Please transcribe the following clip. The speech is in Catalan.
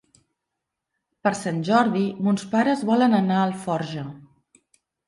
Per Sant Jordi mons pares volen anar a Alforja.